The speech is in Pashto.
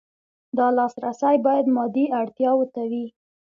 دا لاسرسی باید مادي اړتیاوو ته وي.